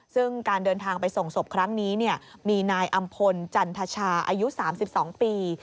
ซึ่งการเดินทางไปส่งศพครั้งนี้มีนายอำพลจันทชาอายุ๓๒ปี